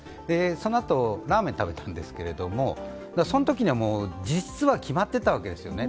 そのあと、ラーメン食べたんですけれども、そのときには実質は決まっていたわけですよね。